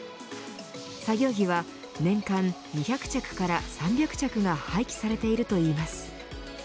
作業着は年間２００着から３００着が廃棄されているといいます。